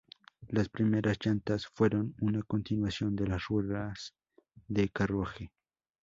Las primeras llantas fueron una continuación de las ruedas de carruaje.